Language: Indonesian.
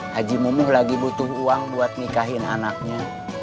haji munuh lagi butuh uang buat nikahin anaknya